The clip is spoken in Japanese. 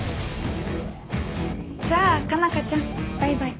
じゃあ佳奈花ちゃんバイバイ。